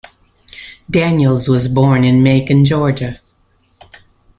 Daniels was born in Macon, Georgia.